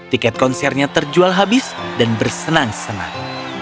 tiket konsernya terjual habis dan bersenang senang